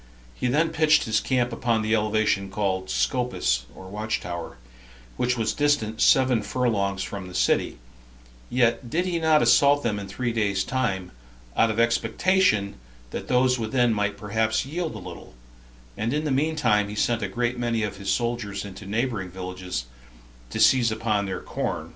He then pitched his camp upon the elevation called Scopus, [or watch tower,] which was distant seven furlongs from the city; yet did not he assault them in three days' time, out of expectation that those within might perhaps yield a little; and in the mean time he sent out a great many of his soldiers into neighboring villages, to seize upon their corn.